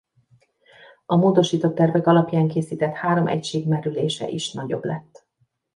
A módosított tervek alapján készített három egység merülése is nagyobb lett.